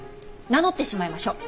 名乗ってしまいましょう。